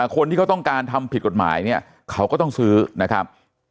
คนที่เขาต้องการทำผิดกฎหมายเนี่ยเขาก็ต้องซื้อนะครับ